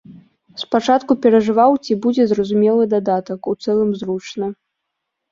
Спачатку перажываў, ці будзе зразумелы дадатак, у цэлым зручна.